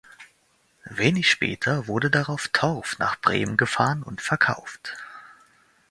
Wenig später wurde darauf Torf nach Bremen gefahren und verkauft.